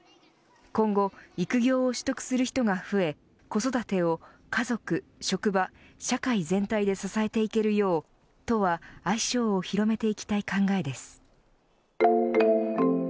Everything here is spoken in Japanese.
今後、育業を取得する人が増え子育てを家族、職場社会全体で支えていけるよう都は愛称を広めていきたい考えです。